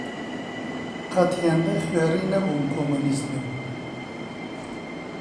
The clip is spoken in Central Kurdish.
قەت هێندە خوێڕی نەبووم کۆمۆنیست بم!